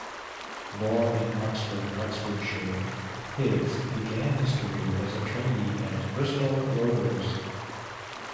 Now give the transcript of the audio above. Born in Oxford, Oxfordshire, Higgs began his career as a trainee at Bristol Rovers.